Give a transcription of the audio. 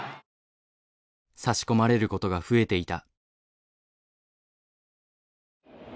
差し込まれることが増えていた。